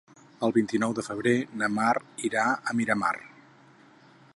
El vint-i-nou de febrer na Mar irà a Miramar.